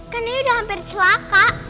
kan ini udah hampir celaka